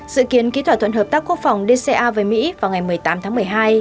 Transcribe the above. dự kiến ký thỏa thuận hợp tác quốc phòng dca với mỹ vào ngày một mươi tám tháng một mươi hai